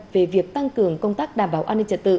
về việc tăng cường công tác đảm bảo an ninh trật tự